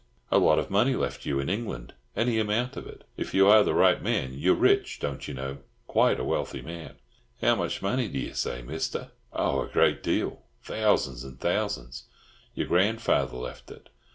"A lot of money left you. In England. Any amount of it. If you are the right man, you're rich, don't you know. Quite a wealthy man." "How much money d'you say, Mister?" "Oh, a great deal. Thousands and thousands. Your grandfather left it.